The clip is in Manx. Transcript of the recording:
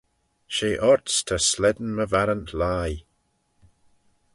She orts ta slane my varrant lhie.